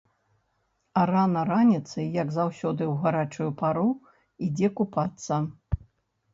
А рана раніцай, як заўсёды ў гарачую пару, ідзе купацца.